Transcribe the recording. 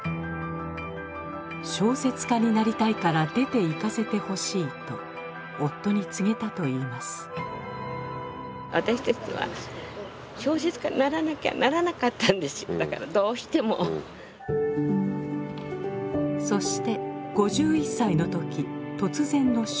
「小説家になりたいから出ていかせてほしい」と夫に告げたといいますそして５１歳の時突然の出家。